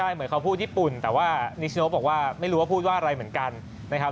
เหมือนเขาพูดญี่ปุ่นแต่ว่านิชโนบอกว่าไม่รู้ว่าพูดว่าอะไรเหมือนกันนะครับ